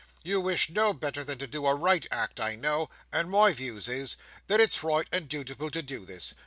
You wish no better than to do a right act, I know; and my views is, that it's right and dutiful to do this.